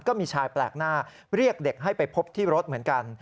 ก็มีชายแปลกหน้าเรียกเด็กให้ไปพบที่รถเหมือนกัน